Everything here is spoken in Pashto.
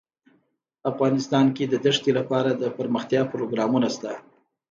افغانستان کې د دښتې لپاره دپرمختیا پروګرامونه شته.